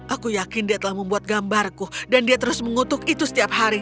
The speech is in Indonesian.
aku yakin dia telah membuat gambarku dan dia terus mengutuk itu setiap hari